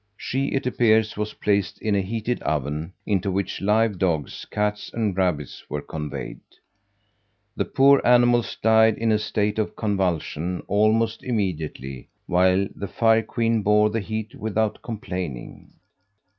She, it appears, was placed in a heated oven, into which live dogs, cats, and rabbits were conveyed. The poor animals died in a state of convulsion almost immediately, while the Fire queen bore the heat without complaining.